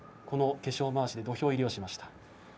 この化粧まわしで土俵入りをしました。